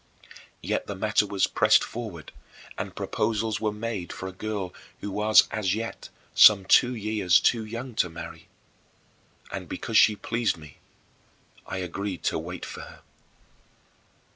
Yet the matter was pressed forward, and proposals were made for a girl who was as yet some two years too young to marry. And because she pleased me, I agreed to wait for her.